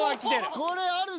［これあるぞ］